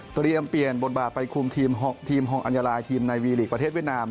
เตรียมเปลี่ยนบลบาทไปคลุมทีมฮองอัญญาลัย